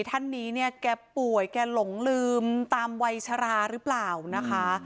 ท่านนี้เนี่ยแกป่วยแกหลงลืมตามวัยชราหรือเปล่านะคะ